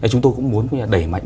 chúng tôi cũng muốn đẩy mạnh